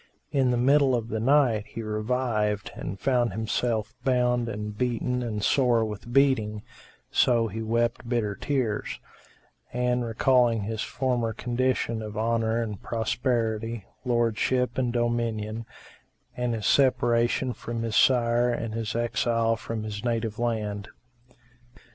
In the middle of the night, he revived and found himself bound and beaten and sore with beating: so he wept bitter tears; and recalling his former condition of honour and prosperity, lordship and dominion, and his separation from his sire and his exile from his native land.